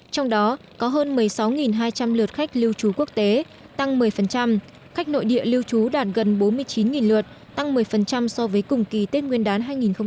trong đó có hơn một mươi sáu hai trăm linh lượt khách lưu trú quốc tế tăng một mươi khách nội địa lưu trú đạt gần bốn mươi chín lượt tăng một mươi so với cùng kỳ tết nguyên đán hai nghìn một mươi chín